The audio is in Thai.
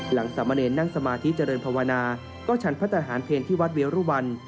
หลังสมเนชนั่งสมาธิเจริญภาวนาก็ฉันพระตาธารเวียวรุวัน